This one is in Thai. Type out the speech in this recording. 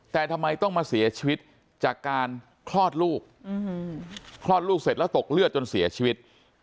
แต่ทำไมต้องมาเสียชีวิตจากการคลอดลูกคลอดลูกเสร็จแล้วตกเลือดจนเสียชีวิต